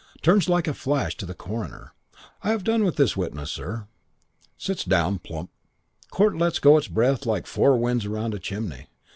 Turns like a flash to the coroner. 'I have done with this witness, sir.' Sits down. Plump. Court lets go its breath like the four winds round a chimney.